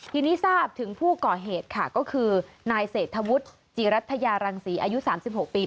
ทีนี้ทราบถึงผู้ก่อเหตุค่ะก็คือนายเศรษฐวุฒิจิรัฐยารังศรีอายุ๓๖ปี